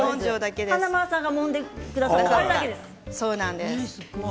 華丸さんがもんでくださったあれだけです。